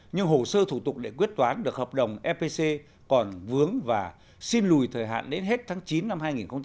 nhưng hồ sơ thủ tục để quyết toán được hợp đồng fpc còn vướng và xin lùi thời hạn đến hết tháng chín năm hai nghìn một mươi bảy